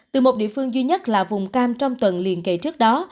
từ một địa phương duy nhất là vùng cam trong tuần liên kệ trước đó